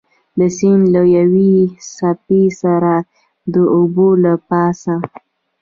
د سیند له یوې څپې سره د اوبو له پاسه.